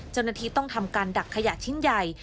เจ้าหน้าที่ต้องทำการดักขยะชิ้นใหญ่